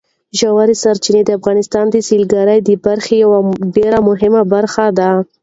ژورې سرچینې د افغانستان د سیلګرۍ د برخې یوه ډېره مهمه برخه ده.